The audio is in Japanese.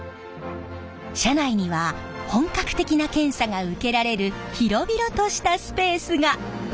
車内には本格的な検査が受けられる広々としたスペースが！